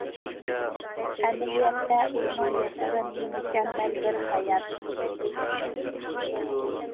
ئەمەلىيەتتە ئۇنىڭ ياشىغىنى مۇكەممەل بىر ھايات.